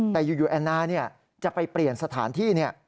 แต่อยู่แอนนาจะไปเปลี่ยนสถานที่